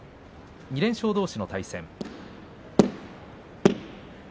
２連勝どうしの対戦です。